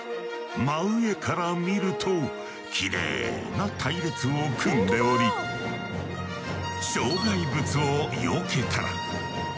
真上から見るときれいな隊列を組んでおり障害物をよけたら。